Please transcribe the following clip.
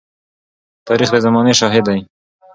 تاریخ د زمانې شاهد دی.